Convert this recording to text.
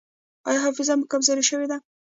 ایا حافظه مو کمزورې شوې ده؟